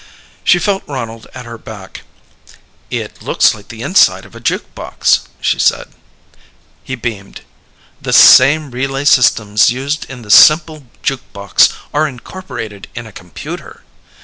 She felt Ronald at her back. "It looks like the inside of a juke box," she said. He beamed. "The same relay systems used in the simple juke box are incorporated in a computer."